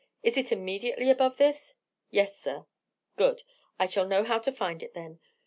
Is it immediately above this?" "Yes, sir." "Good; I shall know how to find it, then.